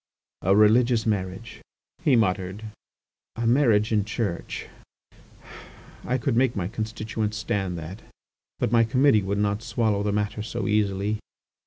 "A religious marriage," he muttered, "a marriage in church, I could make my constituents stand that, but my committee would not swallow the matter so easily.